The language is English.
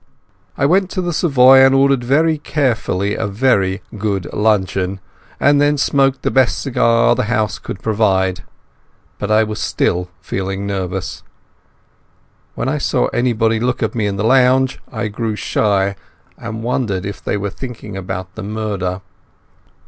I went to the Savoy and ordered very carefully a very good luncheon, and then smoked the best cigar the house could provide. But I was still feeling nervous. When I saw anybody look at me in the lounge, I grew shy, and wondered if they were thinking about the murder.